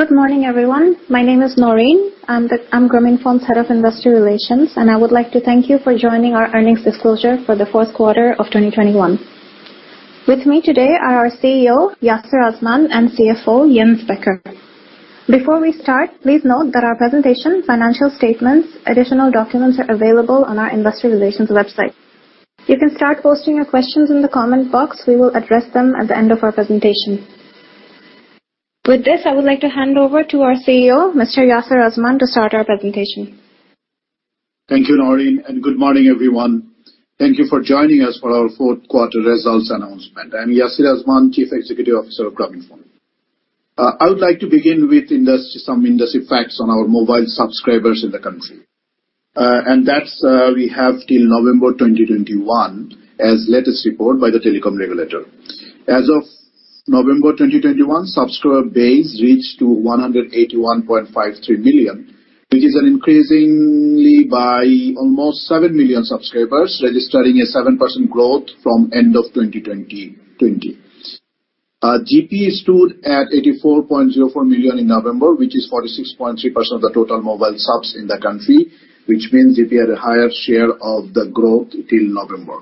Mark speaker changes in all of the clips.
Speaker 1: Good morning, everyone. My name is Chowdhury. I'm Grameenphone's head of investor relations, and I would like to thank you for joining our earnings disclosure for the fourth quarter of 2021. With me today are our CEO, Yasir Azman, and CFO, Jens Becker. Before we start, please note that our presentation, financial statements, additional documents are available on our investor relations website. You can start posting your questions in the comment box. We will address them at the end of our presentation. With this, I would like to hand over to our CEO, Mr. Yasir Azman, to start our presentation.
Speaker 2: Thank you, Chowdhury, and good morning, everyone. Thank you for joining us for our fourth quarter results announcement. I'm Yasir Azman, Chief Executive Officer of Grameenphone. I would like to begin with industry, some industry facts on our mobile subscribers in the country. We have till November 2021 as latest report by the telecom regulator. As of November 2021, subscriber base reached to 181.53 million, which is an increase by almost 7 million subscribers, registering a 7% growth from end of 2020. GP stood at 84.04 million in November, which is 46.3% of the total mobile subs in the country, which means GP had a higher share of the growth till November.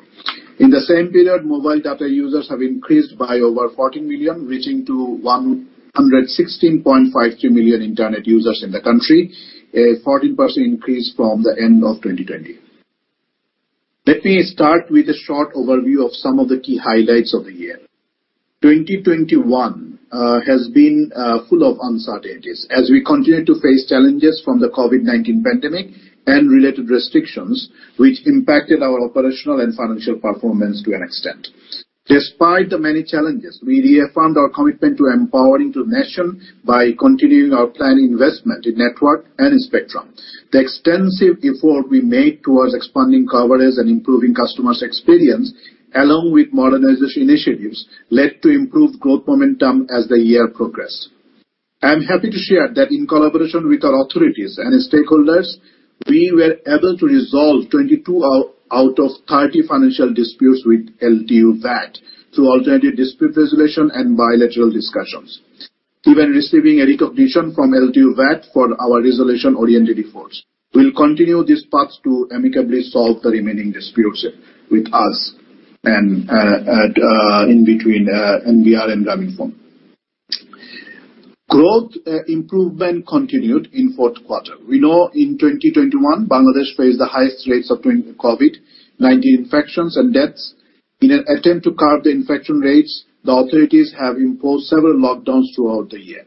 Speaker 2: In the same period, mobile data users have increased by over 14 million, reaching to 116.53 million internet users in the country, a 14% increase from the end of 2020. Let me start with a short overview of some of the key highlights of the year. 2021 has been full of uncertainties as we continue to face challenges from the COVID-19 pandemic and related restrictions, which impacted our operational and financial performance to an extent. Despite the many challenges, we reaffirmed our commitment to empowering the nation by continuing our planned investment in network and in spectrum. The extensive effort we made towards expanding coverage and improving customers' experience, along with modernization initiatives, led to improved growth momentum as the year progressed. I am happy to share that in collaboration with our authorities and stakeholders, we were able to resolve 22 out of 30 financial disputes with LTU-VAT through alternative dispute resolution and bilateral discussions, even receiving a recognition from LTU-VAT for our resolution-oriented efforts. We'll continue these paths to amicably solve the remaining disputes with us and in between NBR and Grameenphone. Growth improvement continued in fourth quarter. We know in 2021, Bangladesh faced the highest rates of COVID-19 infections and deaths. In an attempt to curb the infection rates, the authorities have imposed several lockdowns throughout the year.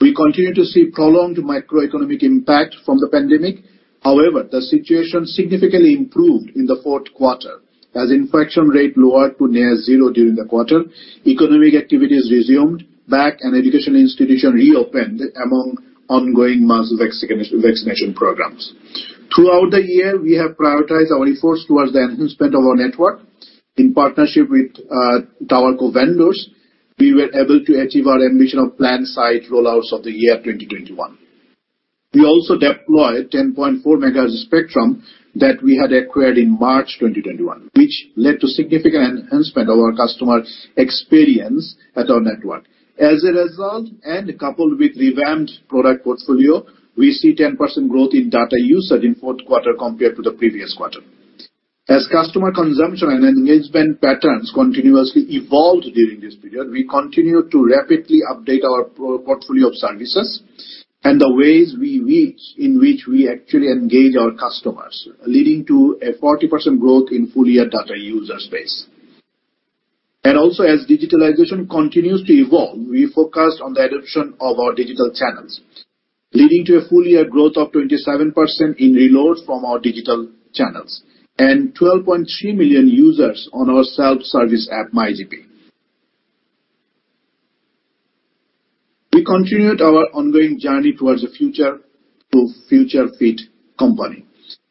Speaker 2: We continue to see prolonged macroeconomic impact from the pandemic. However, the situation significantly improved in the fourth quarter as infection rate lowered to near zero during the quarter, economic activities resumed back and education institution reopened among ongoing mass vaccination programs. Throughout the year, we have prioritized our efforts towards the enhancement of our network. In partnership with TowerCo vendors, we were able to achieve our ambition of planned site rollouts of the year 2021. We also deployed 10.4 megahertz spectrum that we had acquired in March 2021, which led to significant enhancement of our customer experience at our network. As a result, and coupled with revamped product portfolio, we see 10% growth in data usage in fourth quarter compared to the previous quarter. As customer consumption and engagement patterns continuously evolved during this period, we continued to rapidly update our portfolio of services and the ways we reach. in which we actually engage our customers, leading to a 40% growth in full-year data user space. Also, as digitalization continues to evolve, we focused on the adoption of our digital channels, leading to a full-year growth of 27% in reloads from our digital channels and 12.3 million users on our self-service app, MyGP. We continued our ongoing journey towards a future-fit company.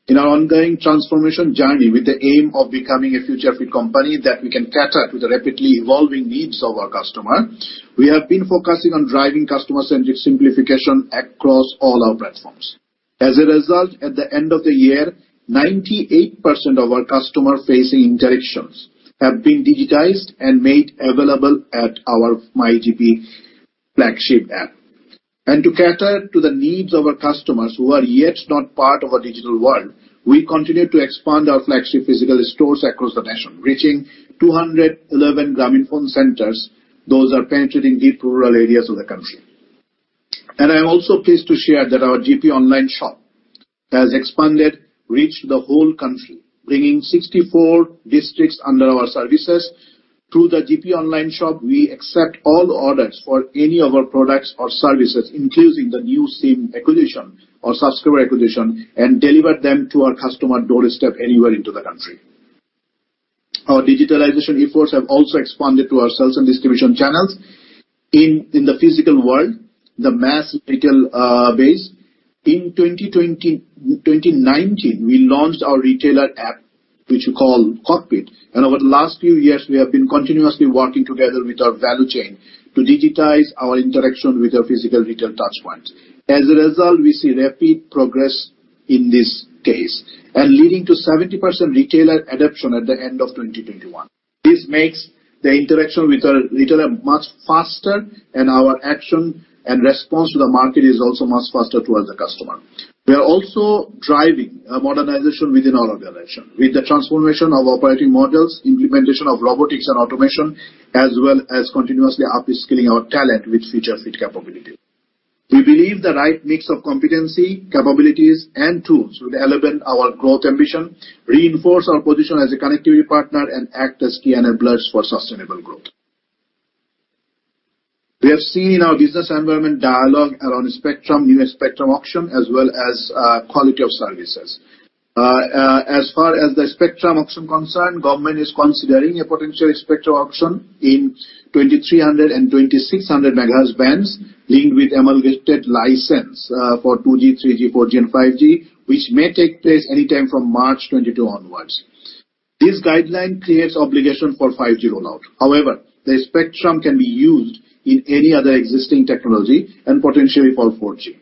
Speaker 2: In our ongoing transformation journey with the aim of becoming a future-fit company that we can cater to the rapidly evolving needs of our customer, we have been focusing on driving customer-centric simplification across all our platforms. As a result, at the end of the year, 98% of our customer-facing interactions have been digitized and made available at our MyGP flagship app. To cater to the needs of our customers who are yet not part of our digital world, we continue to expand our flagship physical stores across the nation, reaching 211 Grameenphone centers. Those are penetrating deep rural areas of the country. I am also pleased to share that our GP Online Shop has expanded, reached the whole country, bringing 64 districts under our services. Through the GP Online Shop, we accept all orders for any of our products or services, including the new SIM acquisition or subscriber acquisition, and deliver them to our customer doorstep anywhere into the country. Our digitalization efforts have also expanded to our sales and distribution channels. In the physical world, the mass retail base, in 2019, we launched our retailer app, which we call Cockpit. Over the last few years, we have been continuously working together with our value chain to digitize our interaction with our physical retail touchpoint. As a result, we see rapid progress in this case and leading to 70% retailer adoption at the end of 2021. This makes the interaction with our retailer much faster, and our action and response to the market is also much faster towards the customer. We are also driving modernization within our organization with the transformation of operating models, implementation of robotics and automation, as well as continuously upskilling our talent with future fit capability. We believe the right mix of competency, capabilities, and tools will elevate our growth ambition, reinforce our position as a connectivity partner, and act as key enablers for sustainable growth. We have seen our business environment dialogue around spectrum, new spectrum auction, as well as, quality of services. As far as the spectrum auction concerned, government is considering a potential spectrum auction in 2300 and 2600 megahertz bands linked with amalgamated license for 2G, 3G, 4G, and 5G, which may take place any time from March 2022 onwards. This guideline creates obligation for 5G rollout. However, the spectrum can be used in any other existing technology and potentially for 4G.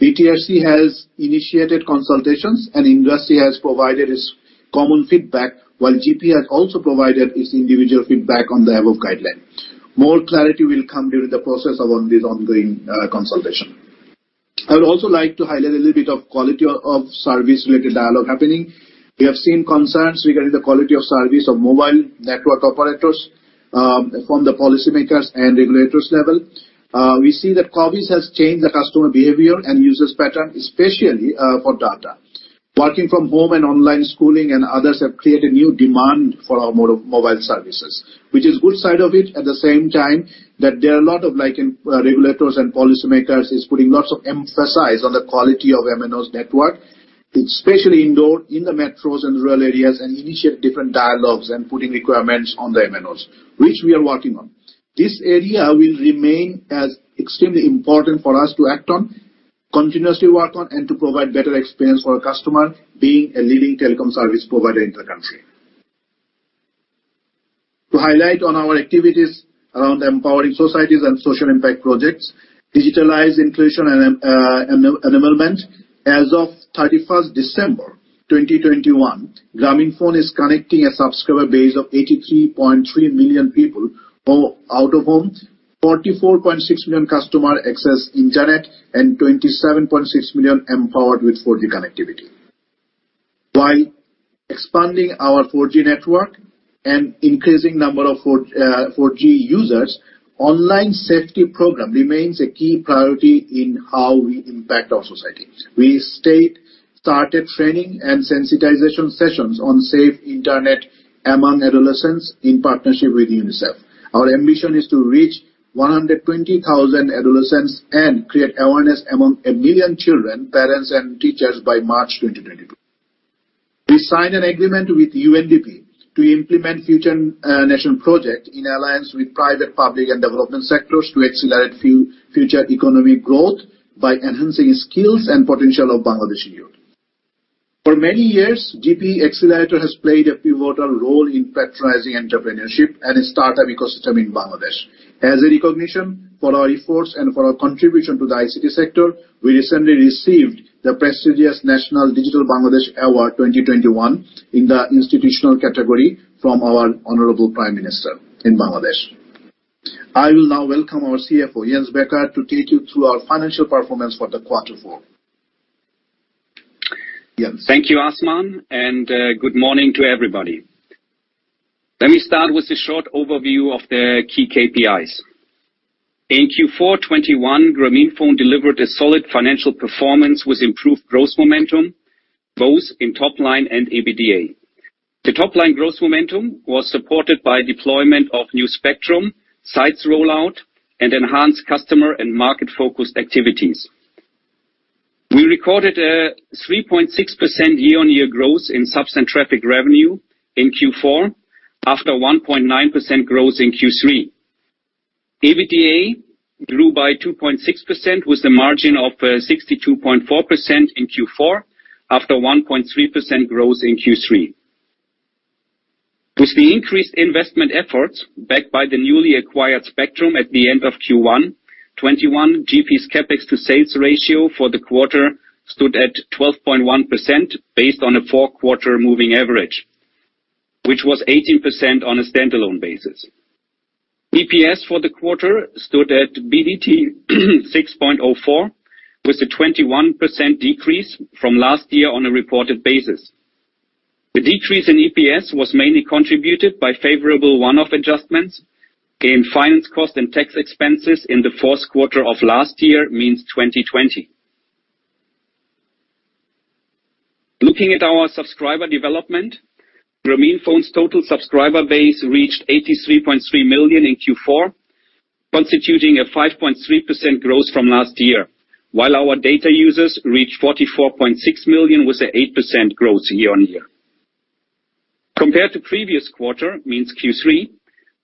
Speaker 2: BTRC has initiated consultations, and industry has provided its common feedback, while GP has also provided its individual feedback on the above guideline. More clarity will come during the process around this ongoing consultation. I would also like to highlight a little bit of quality of service-related dialogue happening. We have seen concerns regarding the quality of service of mobile network operators from the policymakers and regulators level. We see that COVID has changed the customer behavior and usage pattern, especially for data. Working from home and online schooling and others have created new demand for our mobile services, which is good side of it. At the same time, there are a lot of regulators and policymakers putting lots of emphasis on the quality of MNO's network, especially indoor, in the metros and rural areas, and initiating different dialogues and putting requirements on the MNOs, which we are working on. This area will remain as extremely important for us to act on, continuously work on, and to provide better experience for our customer, being a leading telecom service provider in the country. To highlight on our activities around empowering societies and social impact projects, digitalized inclusion and enablement. As of December 31st 2021, Grameenphone is connecting a subscriber base of 83.3 million people who are out of home. 44.6 million customers access internet, and 27.6 million empowered with 4G connectivity. While expanding our 4G network and increasing number of 4G users, online safety program remains a key priority in how we impact our societies. We started training and sensitization sessions on safe internet among adolescents in partnership with UNICEF. Our ambition is to reach 120,000 adolescents and create awareness among 1 million children, parents, and teachers by March 2022. We signed an agreement with UNDP to implement future national project in alliance with private, public, and development sectors to accelerate future economic growth by enhancing skills and potential of Bangladeshi youth. For many years, GP Accelerator has played a pivotal role in patronizing entrepreneurship and startup ecosystem in Bangladesh. As a recognition for our efforts and for our contribution to the ICT sector, we recently received the prestigious National Digital Bangladesh Award 2021 in the institutional category from our Honorable Prime Minister in Bangladesh. I will now welcome our CFO, Jens Becker, to take you through our financial performance for the quarter four. Jens.
Speaker 3: Thank you, Azman, and good morning to everybody. Let me start with a short overview of the key KPIs. In Q4 2021, Grameenphone delivered a solid financial performance with improved growth momentum, both in top line and EBITDA. The top-line growth momentum was supported by deployment of new spectrum, sites rollout, and enhanced customer and market-focused activities. We recorded a 3.6% year-on-year growth in subs and traffic revenue in Q4 after 1.9% growth in Q3. EBITDA grew by 2.6% with a margin of 62.4% in Q4 after 1.3% growth in Q3. With the increased investment efforts backed by the newly acquired spectrum at the end of Q1, 2021 GP's CapEx to sales ratio for the quarter stood at 12.1% based on a four-quarter moving average, which was 18% on a stand-alone basis. EPS for the quarter stood at BDT 6.04, with a 21% decrease from last year on a reported basis. The decrease in EPS was mainly contributed by favorable one-off adjustments in finance cost and tax expenses in the fourth quarter of last year, i.e., 2020. Looking at our subscriber development, Grameenphone's total subscriber base reached 83.3 million in Q4, constituting a 5.3% growth from last year, while our data users reached 44.6 million, with an 8% growth year-on-year. Compared to previous quarter, means Q3,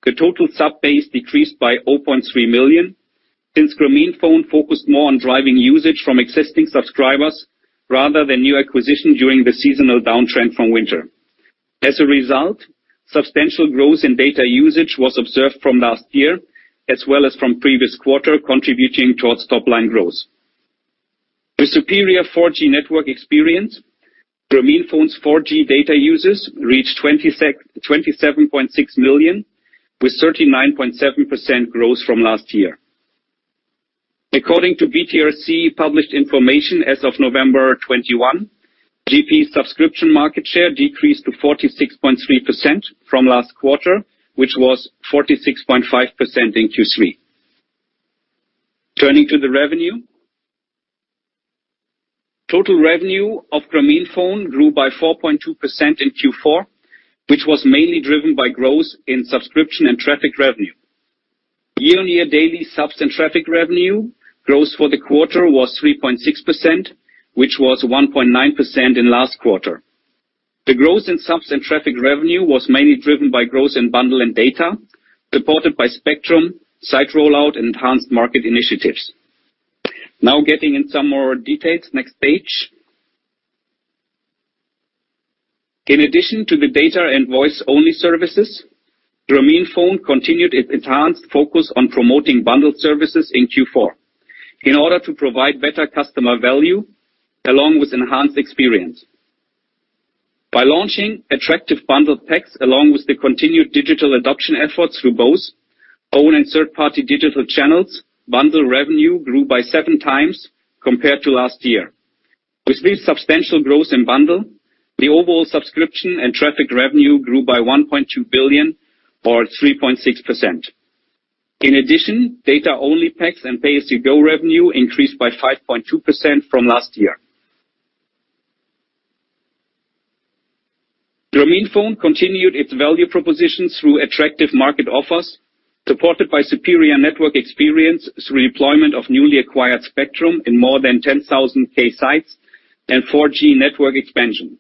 Speaker 3: the total subscriber base decreased by 0.3 million since Grameenphone focused more on driving usage from existing subscribers rather than new acquisition during the seasonal downtrend from winter. As a result, substantial growth in data usage was observed from last year as well as from previous quarter, contributing towards top line growth. The superior 4G network experience, Grameenphone's 4G data users reached 27.6 million with 39.7% growth from last year. According to BTRC published information as of November 21, GP subscription market share decreased to 46.3% from last quarter, which was 46.5% in Q3. Turning to the revenue. Total revenue of Grameenphone grew by 4.2% in Q4, which was mainly driven by growth in subscription and traffic revenue. Year-on-year daily subs and traffic revenue growth for the quarter was 3.6%, which was 1.9% in last quarter. The growth in subs and traffic revenue was mainly driven by growth in bundle and data, supported by spectrum, site rollout, and enhanced market initiatives. Now getting in some more details. Next page. In addition to the data and voice-only services, Grameenphone continued its enhanced focus on promoting bundled services in Q4 in order to provide better customer value along with enhanced experience. By launching attractive bundled packs along with the continued digital adoption efforts through both own and third-party digital channels, bundle revenue grew by 7 times compared to last year. With this substantial growth in bundle, the overall subscription and traffic revenue grew by BDT 1.2 billion or 3.6%. In addition, data only packs and pay-as-you-go revenue increased by 5.2% from last year. Grameenphone continued its value propositions through attractive market offers, supported by superior network experience through deployment of newly acquired spectrum in more than 10,000 sites and 4G network expansion.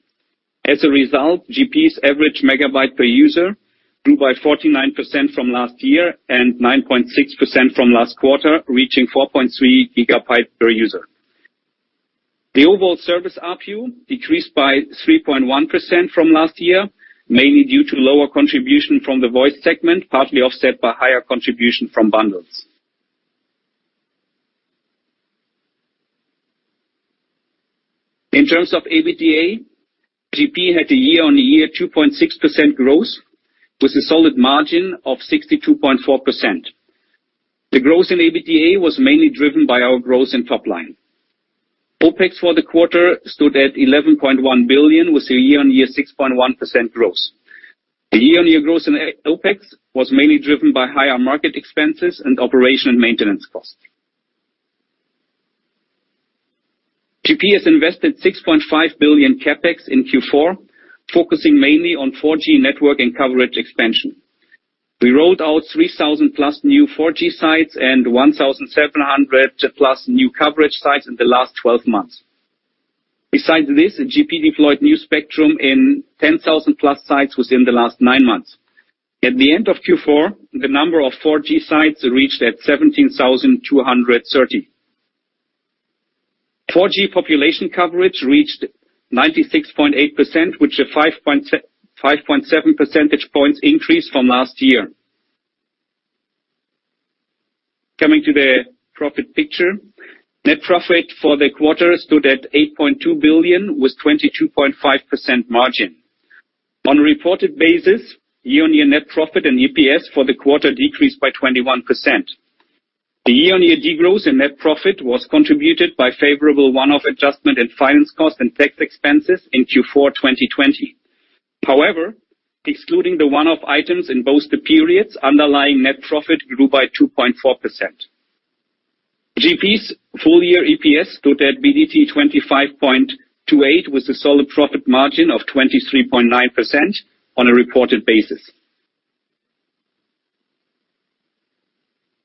Speaker 3: As a result, GP's average megabyte per user grew by 49% from last year and 9.6% from last quarter, reaching 4.3 GB per user. The overall service ARPU decreased by 3.1% from last year, mainly due to lower contribution from the voice segment, partly offset by higher contribution from bundles. In terms of EBITDA, GP had a year-on-year 2.6% growth with a solid margin of 62.4%. The growth in EBITDA was mainly driven by our growth in top line. OpEx for the quarter stood at BDT 11.1 billion, with a year-on-year 6.1% growth. The year-on-year growth in OpEx was mainly driven by higher market expenses and operation and maintenance costs. GP has invested BDT 6.5 billion CapEx in Q4, focusing mainly on 4G network and coverage expansion. We rolled out 3,000+ new 4G sites and 1,700+ new coverage sites in the last twelve months. Besides this, GP deployed new spectrum in 10,000+ sites within the last nine months. At the end of Q4, the number of 4G sites reached 17,230. 4G population coverage reached 96.8%, which was a 5.7 percentage points increase from last year. Coming to the profit picture, net profit for the quarter stood at BDT 8.2 billion with 22.5% margin. On a reported basis, year-on-year net profit and EPS for the quarter decreased by 21%. The year-on-year degrowth in net profit was contributed by favorable one-off adjustment in finance cost and tax expenses in Q4 2020. However, excluding the one-off items in both the periods, underlying net profit grew by 2.4%. GP's full year EPS stood at BDT 25.28, with a solid profit margin of 23.9% on a reported basis.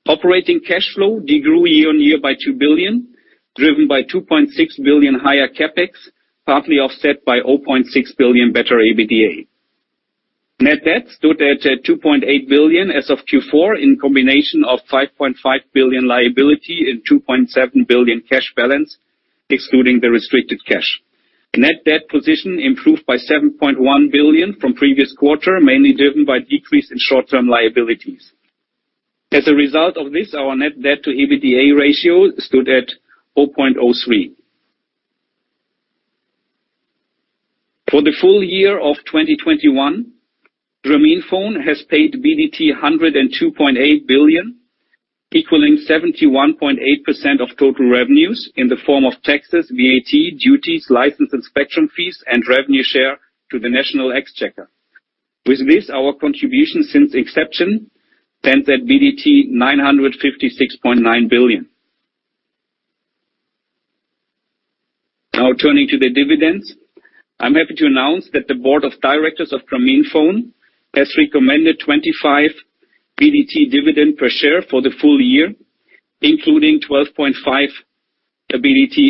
Speaker 3: Operating cash flow degrew year-on-year by BDT 2 billion, driven by BDT 2.6 billion higher CapEx, partly offset by BDT 0.6 billion better EBITDA. Net debt stood at BDT 2.8 billion as of Q4 in combination of BDT 5.5 billion liability and BDT 2.7 billion cash balance excluding the restricted cash. Net debt position improved by BDT 7.1 billion from previous quarter, mainly driven by decrease in short-term liabilities. As a result of this, our net debt to EBITDA ratio stood at 0.03. For the full year of 2021, Grameenphone has paid BDT 102.8 billion, equaling 71.8% of total revenues in the form of taxes, VAT, duties, license and spectrum fees, and revenue share to the national exchequer. With this, our contribution since inception stands at BDT 956.9 billion. Now turning to the dividends. I'm happy to announce that the board of directors of Grameenphone has recommended BDT 25 dividend per share for the full year, including BDT 12.5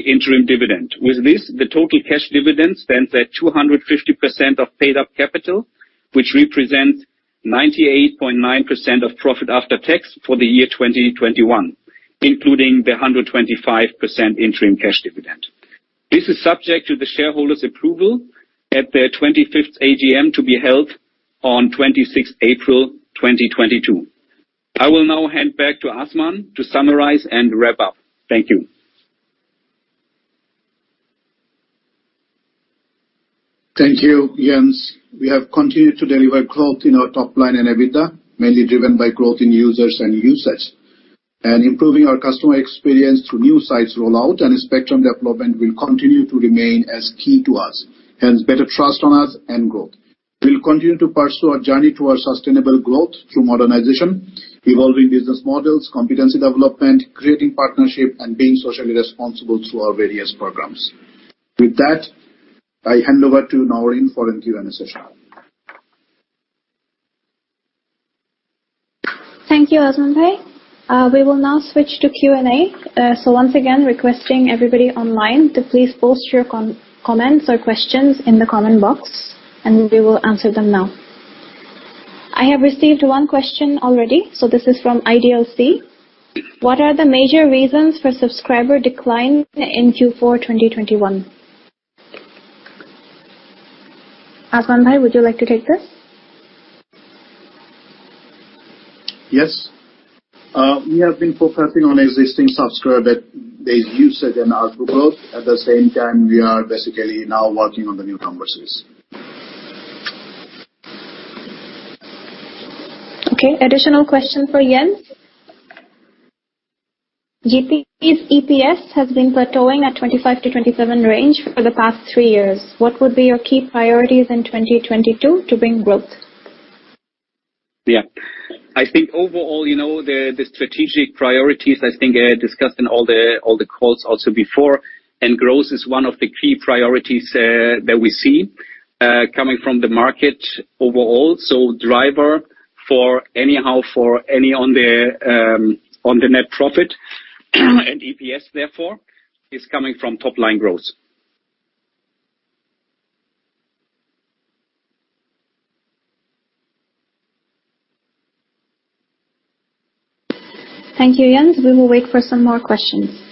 Speaker 3: interim dividend. With this, the total cash dividend stands at 250% of paid-up capital, which represents 98.9% of profit after tax for the year 2021, including the 125% interim cash dividend. This is subject to the shareholders' approval at the 25th AGM to be held on 26th April 2022. I will now hand back to Azman to summarize and wrap up. Thank you.
Speaker 2: Thank you, Jens. We have continued to deliver growth in our top line and EBITDA, mainly driven by growth in users and usage. Improving our customer experience through new sites rollout and spectrum development will continue to remain as key to us, hence better trust on us and growth. We'll continue to pursue our journey towards sustainable growth through modernization, evolving business models, competency development, creating partnership, and being socially responsible through our various programs. With that, I hand over to Chowdhury for the Q&A session.
Speaker 1: Thank you, Azman Bhai. We will now switch to Q&A. Once again, requesting everybody online to please post your comments or questions in the comment box, and we will answer them now. I have received one question already. This is from IDLC. What are the major reasons for subscriber decline in Q4 2021? Azman Bhai, would you like to take this?
Speaker 2: Yes. We have been focusing on existing subscriber, their usage and ARPU growth. At the same time, we are basically now working on the new customers.
Speaker 1: Okay. Additional question for Jens. GP's EPS has been plateauing at 25-27 range for the past three years. What would be your key priorities in 2022 to bring growth?
Speaker 3: Yeah. I think overall, you know, the strategic priorities I think discussed in all the calls also before, and growth is one of the key priorities that we see coming from the market overall. Driver for anyhow for any on the net profit and EPS therefore is coming from top line growth.
Speaker 1: Thank you, Jens. We will wait for some more questions.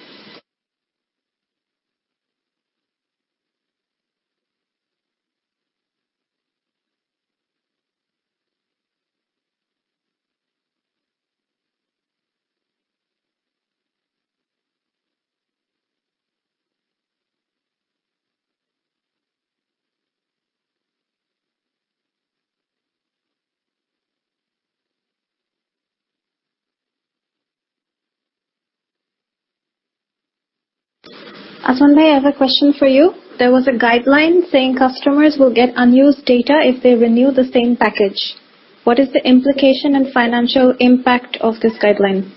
Speaker 1: Azman Bhai, I have a question for you. There was a guideline saying customers will get unused data if they renew the same package. What is the implication and financial impact of this guideline?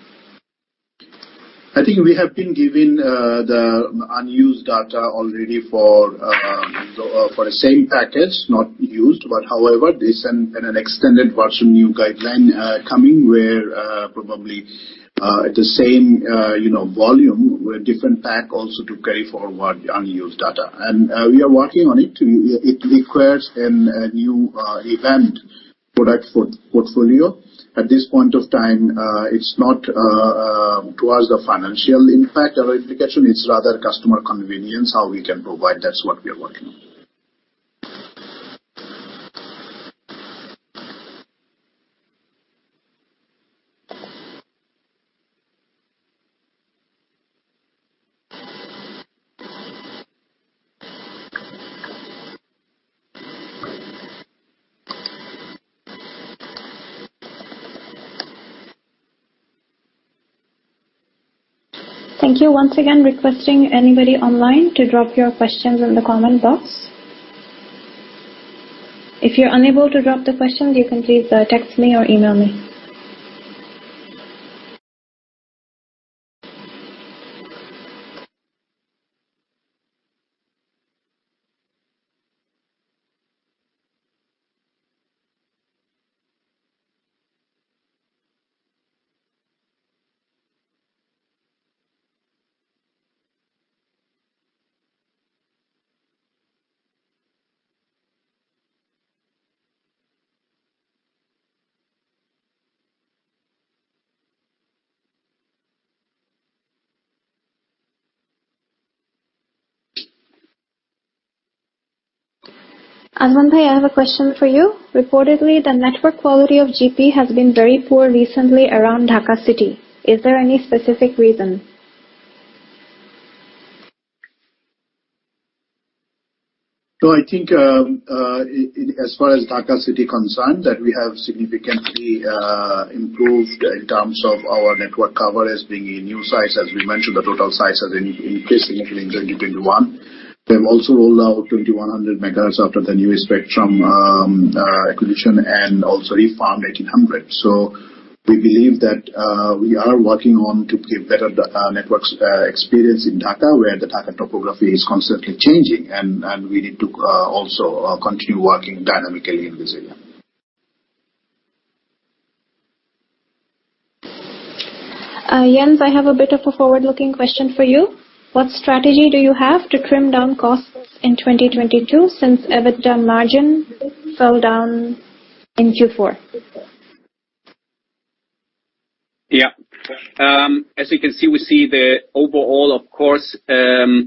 Speaker 2: I think we have been giving the unused data already for the same package not used. However, this is an extended version, new guideline coming where probably the same you know volume with different pack also to carry forward unused data. We are working on it. It requires a new product portfolio. At this point of time, it's not towards the financial impact or implication. It's rather customer convenience, how we can provide. That's what we are working on.
Speaker 1: Thank you. Once again, requesting anybody online to drop your questions in the comment box. If you're unable to drop the question, you can please text me or email me. Azman Bhai, I have a question for you. Reportedly, the network quality of GP has been very poor recently around Dhaka City. Is there any specific reason?
Speaker 2: I think as far as Dhaka City concerned, that we have significantly improved in terms of our network coverage, bringing in new sites. As we mentioned, the total sites are increasing in 2021. We have also rolled out 2100 MHz after the new spectrum acquisition and also refarmed 1800. We believe that we are working on to give better data networks experience in Dhaka, where the Dhaka topography is constantly changing and we need to also continue working dynamically in this area.
Speaker 1: Jens, I have a bit of a forward-looking question for you. What strategy do you have to trim down costs in 2022 since EBITDA margin fell down in Q4?
Speaker 3: Yeah. As you can see, we see the overall, of course, that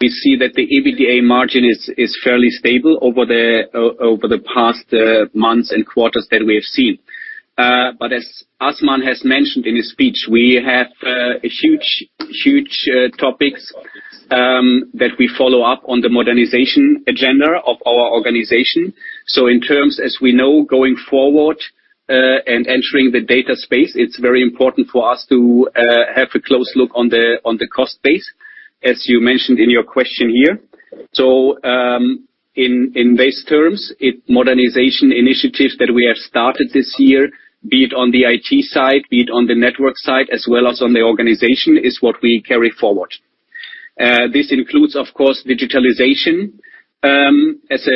Speaker 3: the EBITDA margin is fairly stable over the past months and quarters that we have seen. As Azman has mentioned in his speech, we have a huge topics that we follow up on the modernization agenda of our organization. In terms as we know going forward, and entering the data space, it's very important for us to have a close look on the cost base, as you mentioned in your question here. In base terms, modernization initiatives that we have started this year, be it on the IT side, be it on the network side as well as on the organization, is what we carry forward. This includes, of course, digitalization, as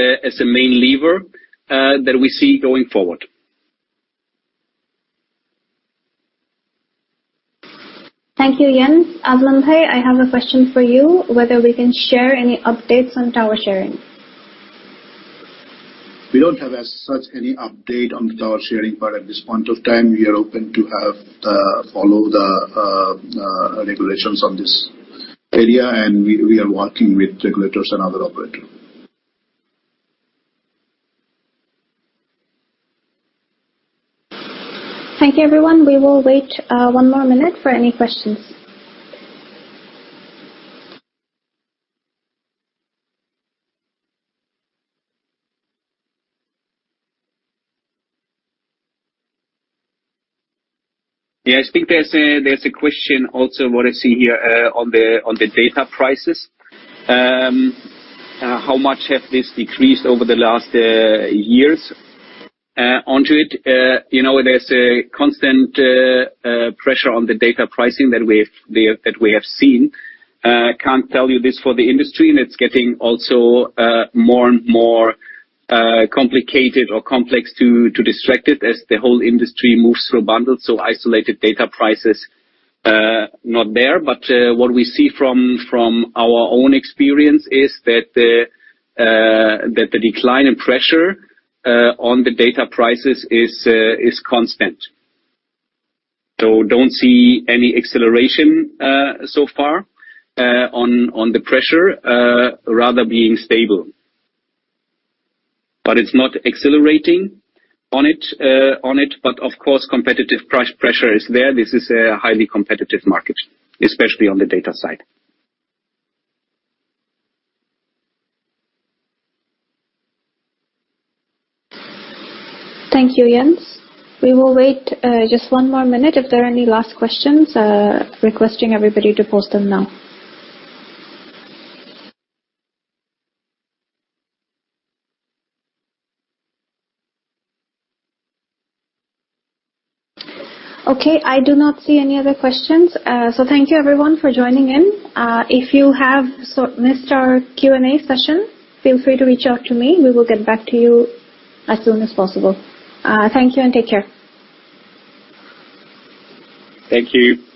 Speaker 3: a main lever, that we see going forward.
Speaker 1: Thank you, Jens. Azman Bhai, I have a question for you, whether we can share any updates on tower sharing?
Speaker 2: We don't have as such any update on the tower sharing, but at this point of time we are open to follow the regulations on this area. We are working with regulators and other operators.
Speaker 1: Thank you, everyone. We will wait one more minute for any questions.
Speaker 3: Yeah. I think there's a question also what I see here on the data prices. How much has this decreased over the last years? On to it, you know, there's a constant pressure on the data pricing that we have seen. Can't tell you this for the industry, and it's getting also more and more complicated or complex to extract it as the whole industry moves to bundles. Isolated data prices not there. What we see from our own experience is that the decline in pressure on the data prices is constant. Don't see any acceleration so far on the pressure rather being stable. It's not accelerating on it, but of course, competitive price pressure is there. This is a highly competitive market, especially on the data side.
Speaker 1: Thank you, Jens. We will wait just one more minute. If there are any last questions, requesting everybody to post them now. Okay, I do not see any other questions. Thank you everyone for joining in. If you have missed our Q&A session, feel free to reach out to me. We will get back to you as soon as possible. Thank you and take care.
Speaker 3: Thank you.